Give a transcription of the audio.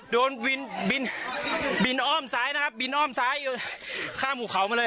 โดนบินบินอ้อมซ้ายนะครับบินอ้อมซ้ายข้ามหุเขามาเลย